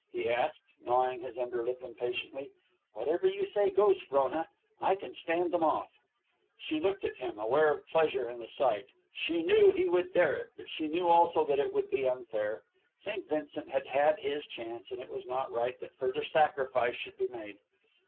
he asked, gnawing his under lip impatiently. "Whatever you say goes, Frona. I can stand them off." She looked at him, aware of pleasure in the sight. She knew he would dare it, but she knew also that it would be unfair. St. Vincent had had his chance, and it was not right that further sacrifice should be made.